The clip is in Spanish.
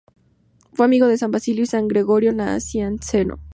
Fue amigo de San Basilio y San Gregorio Nacianceno.